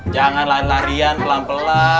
jangan lari larian pelan pelan